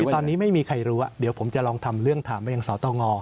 ตอนนี้ไม่มีใครรู้เดี๋ยวผมจะลองทำเรื่องถามไปยังสตง